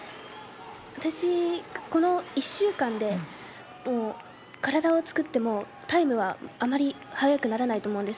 私、この１週間でもう、体を作っても、タイムはあまり速くならないと思うんです。